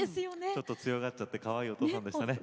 ちょっと強がっちゃってかわいいお父さんでしたね。